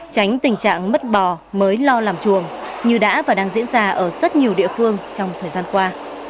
tránh tình trạng mất bò mới lo làm chuồng như đã và đang diễn ra ở rất nhiều địa phương trong thời gian qua